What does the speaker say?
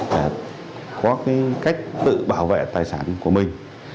để có cách tự bảo vệ tài sản của mình